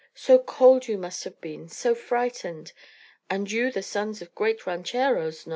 So cold you must have been, so frightened and you the sons of great rancheros, no?"